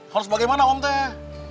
harus bagaimana om teh